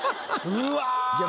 うわ。